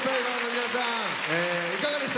皆さん。